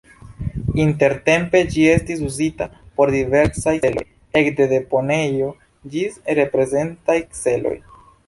Intertempe ĝi estis uzita por diversaj celoj, ekde deponejo ĝis reprezentaj celoj.